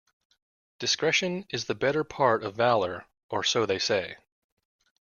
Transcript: Discretion is the better part of valour, or so they say.